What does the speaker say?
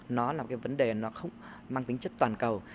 nó là một vấn đề không mang tính chất toàn cầu